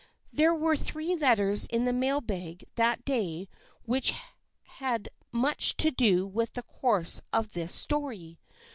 There were three letters in the mail bag that day which had much to do with the course of this story.